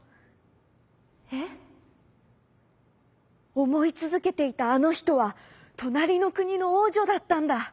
「おもいつづけていたあのひとはとなりのくにのおうじょだったんだ！」。